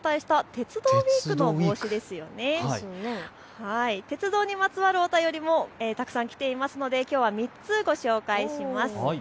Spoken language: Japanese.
鉄道にまつわるお便りもたくさん来ていますのできょうは３つご紹介します。